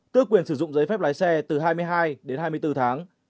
tước quyền sử dụng giấy phép lái xe từ hai mươi hai đến hai mươi bốn tháng